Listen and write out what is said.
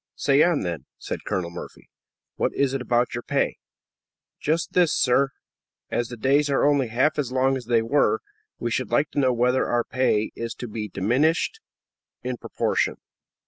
"Say on, then," said Colonel Murphy. "What is it about your pay?" "Just this, sir; as the days are only half as long as they were, we should like to know whether our pay is to be diminished in proportion."